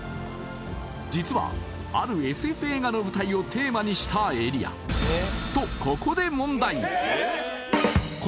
実はあるＳＦ映画の舞台をテーマにしたエリアとここで問題